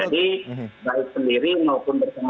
itu kan tidak ada kononnya